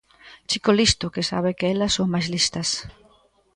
Chico listo que sabe que elas son máis listas.